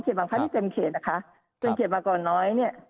เขตบางพัฒน์ที่เต็มเขตนะคะครับส่วนเขตบางของน้อยเนี้ย